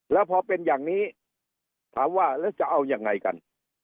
แล้วพอเป็นอย่างนี้ถามว่าแล้วจะเอายังไงกัน